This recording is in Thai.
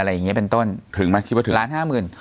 สามแสนหกสามแสนเจ็ด